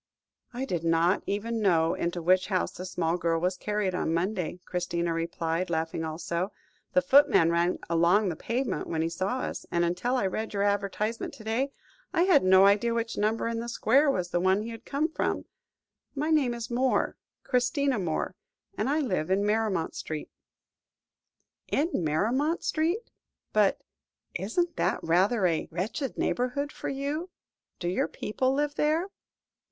"I did not even know into which house the small girl was carried on Monday," Christina replied, laughing also; "the footman ran along the pavement when he saw us, and until I read your advertisement to day, I had no idea which number in the square was the one he had come from. My name is Moore Christina Moore and I live in Maremont Street." "In Maremont Street? But isn't that rather a wretched neighbourhood for you? Do your people live there?"